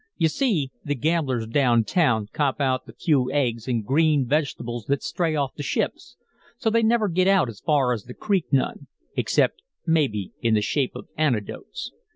You see, the gamblers down town cop out the few aigs an' green vegetables that stray off the ships, so they never get out as far as the Creek none; except, maybe, in the shape of anecdotes.